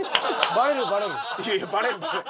バレるバレる！